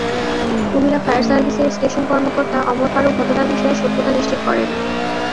Kumira fire সার্ভিসের station কর্মকর্তা ওমর ফারুক ঘটনার বিষয়ে সত্যতা নিশ্চিত করেন।